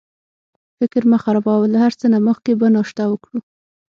فکر مه خرابوه، له هر څه نه مخکې به ناشته وکړو.